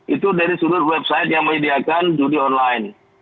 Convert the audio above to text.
itu dari sudut website yang menyediakan judi online